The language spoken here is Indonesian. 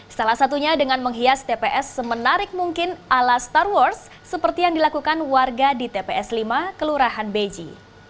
salah satunya dengan menghias tps semenarik mungkin ala star wars seperti yang dilakukan warga di tps lima kelurahan beji